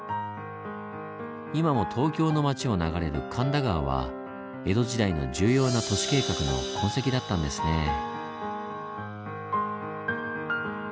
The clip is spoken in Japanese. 今も東京の町を流れる神田川は江戸時代の重要な都市計画の痕跡だったんですねぇ。